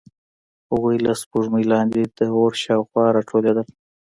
هغوی له سپوږمۍ لاندې د اور شاوخوا راټولېدل.